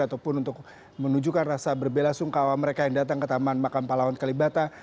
ataupun untuk menunjukkan rasa berbela sungkawa mereka yang datang ke taman makam palawan kalibata